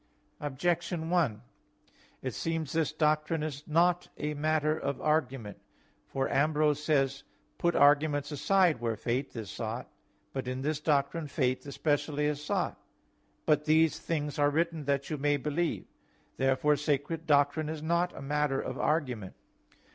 Objection 1: It seems this doctrine is not a matter of argument. For Ambrose says (De Fide 1): "Put arguments aside where faith is sought." But in this doctrine, faith especially is sought: "But these things are written that you may believe" (John 20:31). Therefore sacred doctrine is not a matter of argument.